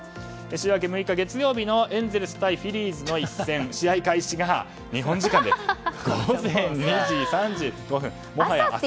週明け月曜日６日のエンゼルス対フィリーズの一戦試合開始が日本時間の午前２時３５分。